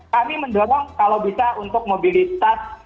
kami mendorong kalau bisa untuk mobilitas